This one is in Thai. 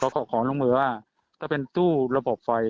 ขอลงมือว่าถ้าเป็นตู้ระบบไฟ